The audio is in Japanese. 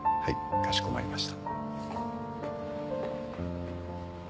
かしこまりました。